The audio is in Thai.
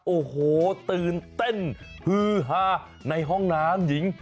โอ้โหตื่นเต้นฮือฮาในห้องน้ำหญิง